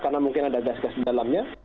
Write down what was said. karena mungkin ada gas gas di dalamnya